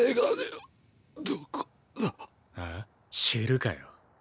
知るかよ。